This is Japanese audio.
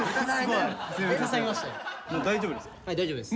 はい大丈夫です。